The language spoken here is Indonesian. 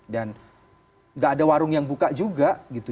dan gak ada warung yang buka juga gitu